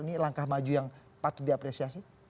ini langkah maju yang patut diapresiasi